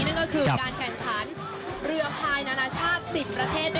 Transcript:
นั่นก็คือการแข่งขันเรือภายนานาชาติ๑๐ประเทศ